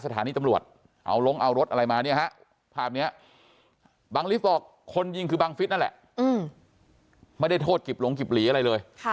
บางลิฟต์บอกคนยิงคือฟลัมเฝียนบางลิฟต์นั่นแหละไม่ได้โทษกลิบหลงกลิบหลีอะไรเลย